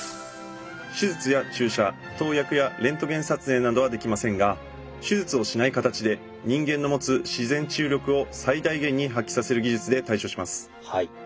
手術や注射投薬やレントゲン撮影などはできませんが手術をしない形で人間の持つ自然治癒力を最大限に発揮させる技術で対処します。